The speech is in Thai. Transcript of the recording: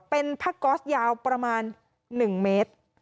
เป็นผ้าก๊อสยาวประมาณ๑เมตร